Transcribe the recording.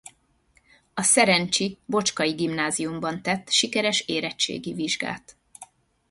A szerencsi Bocskai Gimnáziumban tett sikeres érettségi vizsgát.